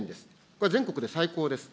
これは全国で最高です。